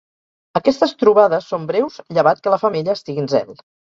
Aquestes trobades són breus llevat que la femella estigui en zel.